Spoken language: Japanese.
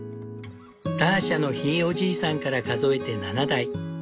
ターシャのひいおじいさんから数えて７代。